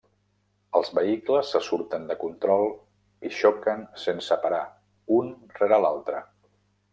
Els vehicles se surten de control i xoquen sense parar, un rere l'altre.